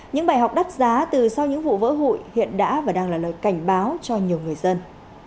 những bài học đắt giá từ sau những vụ vỡ hụi hiện đã và đang là lời cảnh báo cho nhiều người dân